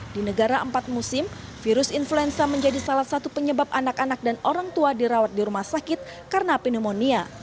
di negara empat musim virus influenza menjadi salah satu penyebab anak anak dan orang tua dirawat di rumah sakit karena pneumonia